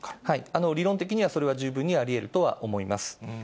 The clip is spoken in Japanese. はい、理論的には、それは十分にありえるとは思います。